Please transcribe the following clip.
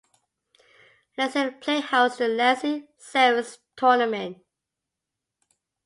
Lenzie play host to the Lenzie Sevens tournament.